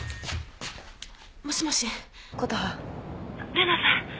玲奈さん。